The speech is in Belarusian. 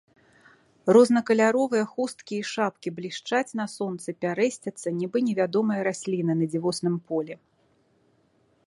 Рознакаляровыя хусткі і шапкі блішчаць на сонцы, пярэсцяцца, нібы невядомыя расліны на дзівосным полі.